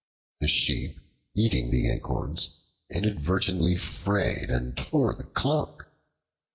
The Sheep eating the acorns inadvertently frayed and tore the cloak.